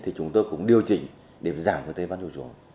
thì chúng tôi cũng điều chỉnh để giảm cái tên bán chủ chủ